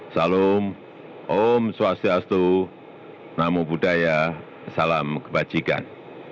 salam om swastiastu namo buddhaya salam kebajikan